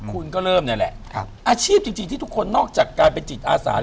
คุณก็เริ่มนี่แหละอาชีพจริงที่ทุกคนนอกจากการเป็นจิตอาสา